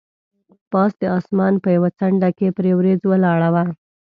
پاس د اسمان په یوه څنډه کې پرې وریځ ولاړه وه.